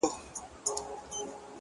جنگ روان ـ د سولي په جنجال کي کړې بدل؛